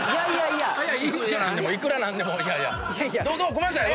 ごめんなさい！